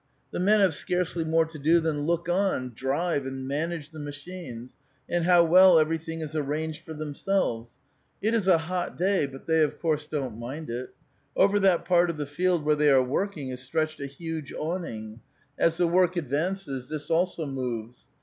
The men have scarcely more to do than look on, drive and manage the machines, and how well every thing is arranged for themselves ! It is a hot day, but they of course don't mind it. Over that part of the field where tliey are working is stretched a huge awning ; as the work advances, this also moves.